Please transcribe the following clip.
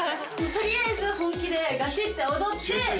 取りあえず本気でガチって踊って。